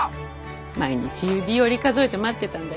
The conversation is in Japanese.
毎日指折り数えて待ってたんだよ。